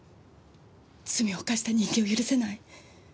罪を犯した人間を許せない。